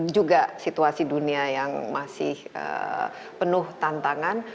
juga situasi dunia yang masih penuh tantangan